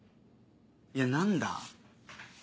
いや何だ？